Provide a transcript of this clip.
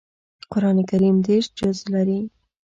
قران کریم دېرش جزء لري